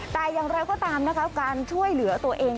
แต่อย่างไรก็ตามนะคะการช่วยเหลือตัวเอง